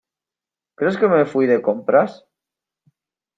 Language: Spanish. ¿ crees que me fui de compras?